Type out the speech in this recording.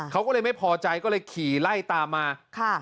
เขาก็เลยไม่พอใจก็เลยขี่ไล่ตามมาค่ะ